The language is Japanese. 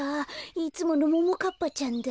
いつものももかっぱちゃんだ。